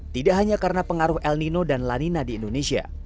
tidak hanya karena pengaruh el nino dan lanina di indonesia